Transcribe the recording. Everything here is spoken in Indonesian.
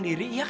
yuk yuk yuk